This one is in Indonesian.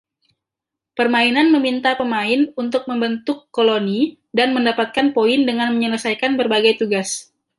Permainan meminta pemain untuk membentuk koloni dan mendapatkan poin dengan menyelesaikan berbagai tugas.